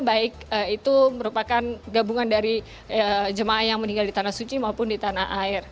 baik itu merupakan gabungan dari jemaah yang meninggal di tanah suci maupun di tanah air